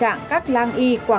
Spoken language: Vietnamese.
hẹn gặp lại